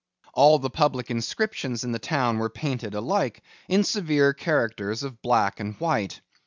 All the public inscriptions in the town were painted alike, in severe characters of black and white.